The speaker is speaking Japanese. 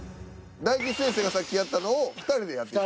大吉先生がさっきやったのを２人でやって。